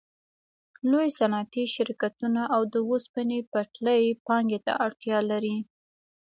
لوی صنعتي شرکتونه او د اوسپنې پټلۍ پانګې ته اړتیا لري